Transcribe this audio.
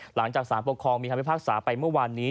หลังจากสารปกครองมีคำพิพากษาไปเมื่อวานนี้